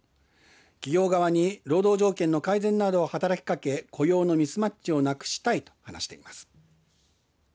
企業側に労働条件の改善などを働きかけ雇用のミスマッチをなくしたいと話しています。